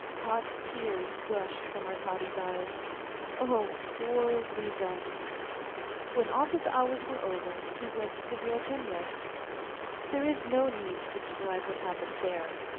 Hot tears gushed from Arkady's eyes : oh, poor Liza ! When office hours were over, he went to the Artemyevs'. There is no need to describe what happened there